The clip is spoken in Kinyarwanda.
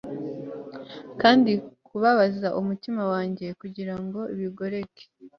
kandi, kubabaza umutima wanjye kugirango bigoreke